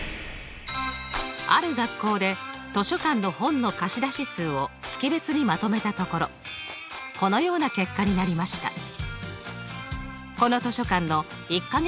ある学校で図書館の本の貸出数を月別にまとめたところこのような結果になりました。